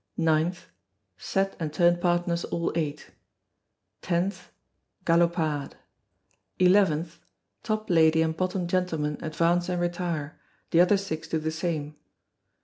9th, Set and turn partners all eight. 10th, Galopade. 11th, Top lady and bottom gentleman advance and retire, the other six do the same.